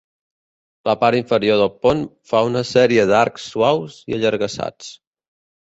La part inferior del pont fa una sèrie d'arcs suaus i allargassats.